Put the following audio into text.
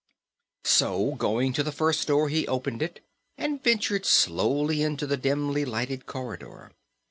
So, going to the first door, he opened it and ventured slowly into the dimly lighted corridor.